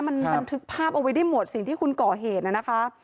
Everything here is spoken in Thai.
มันบันทึกภาพเอาไว้ได้หมดสิ่งที่คุณก่อเหตุน่ะนะคะ